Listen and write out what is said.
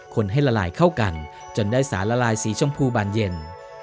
คนให้ละลายเข้ากันจนได้สารละลายสีชมพูบานเย็น